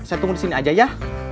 saya tunggu di sini aja ya